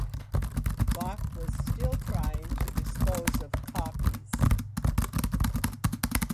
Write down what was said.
Bach was still trying to dispose of copies.